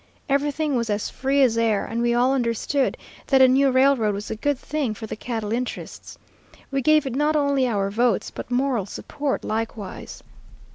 Everything was as free as air, and we all understood that a new railroad was a good thing for the cattle interests. We gave it not only our votes, but moral support likewise.